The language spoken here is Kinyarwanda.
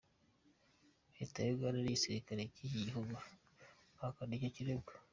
Leta ya Uganda n'igisirikare cy'iki gihugu bahakana icyo kirego.